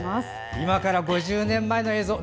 今から５０年前の映像。